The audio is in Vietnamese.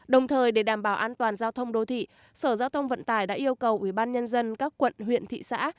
đồng thời để đảm bảo an toàn giao thông đô thị sở giao thông vận tải đã yêu cầu ubnd các quận huyện thị xã